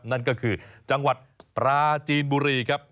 นั่นก็คือจังหวัดปราจีนบุรีครับ